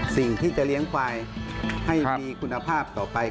สิ่งที่จะเลี้ยงควายให้มีคุณภาพต่อไป